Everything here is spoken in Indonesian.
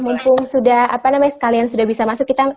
mumpung sudah apa namanya sekalian sudah bisa masuk